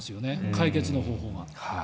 解決の方法が。